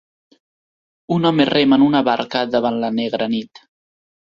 Un home rema en una barca davant la negra nit.